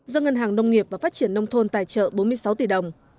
do ngân hàng nông nghiệp và phát triển nông thôn tài trợ bốn mươi sáu tỷ đồng